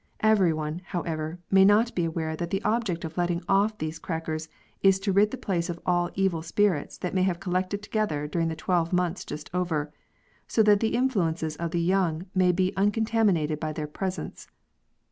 Every one, however, may not be aware that the object of letting off these crackers is to rid the place of all the evil spirits that may have collected together during the twelve months just over, so that the influences of the young year may be uncontaminated by their presence.